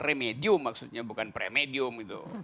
remedium maksudnya bukan premedium